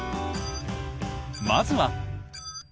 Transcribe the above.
まずは。